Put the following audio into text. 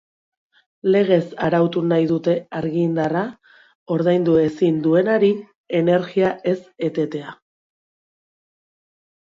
Legez arautu nahi dute argindarra ordaindu ezin duenari energia ez etetea.